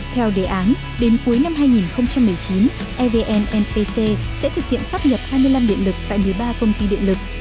theo đề án đến cuối năm hai nghìn một mươi chín evn npc sẽ thực hiện sắp nhập hai mươi năm điện lực tại một mươi ba công ty điện lực